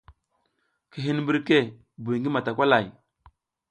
Ki hin mbirke buy ngi matakwalay.